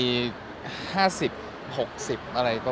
ใช้อกนิดหล่ะ